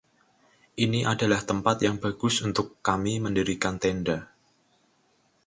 Ini adalah tempat yang bagus untuk kami mendirikan tenda.